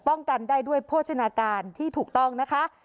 กันได้ด้วยโภชนาการที่ถูกต้องนะคะ